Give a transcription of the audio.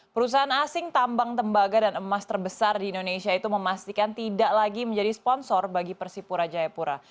perusahaan asing tambang tembaga dan emas terbesar di indonesia itu memastikan tidak lagi menjadi sponsor bagi persipura jayapura